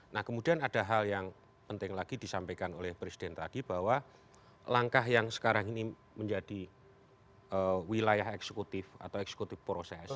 nah kemudian ada hal yang penting lagi disampaikan oleh presiden tadi bahwa langkah yang sekarang ini menjadi wilayah eksekutif atau eksekutif proses